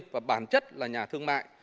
và bản chất là nhà thương mại